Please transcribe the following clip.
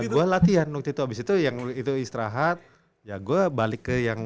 ya gua latihan waktu itu abis itu istirahat ya gua balik ke yang itu